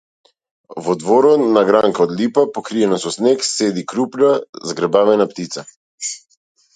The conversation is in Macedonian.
Во дворот, на гранка од липа, покриена со снег, седи крупна, згрбавена птица.